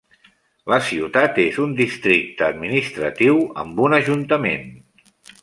La ciutat és un districte administratiu, amb un ajuntament.